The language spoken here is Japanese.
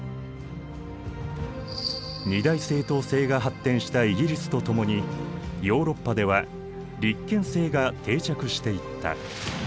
二大政党制が発展したイギリスとともにヨーロッパでは立憲制が定着していった。